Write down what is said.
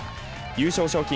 優勝賞金